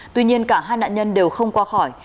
tuy nhiên cả hai nạn nhân đều không qua khỏi